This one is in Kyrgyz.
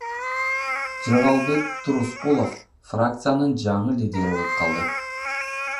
Жыргалбек Турускулов фракциянын жаңы лидери болуп калды.